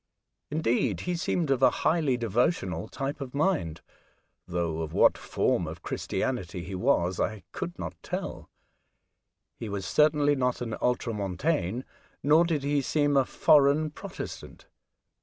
Indeed, he seemed of a highly devotional type of mind, though of what form of Christianity he was I could not tell ; he was certainly not an Ultramontane, nor did he seem a foreign Protestant.